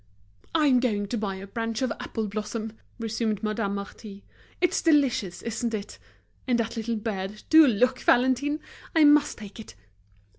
"I'm going to buy a branch of apple blossom," resumed Madame Marty. "It's delicious, isn't it? And that little bird, do look, Valentine. I must take it!"